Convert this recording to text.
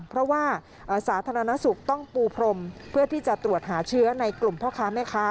เพราะว่าสาธารณสุขต้องปูพรมเพื่อที่จะตรวจหาเชื้อในกลุ่มพ่อค้าแม่ค้า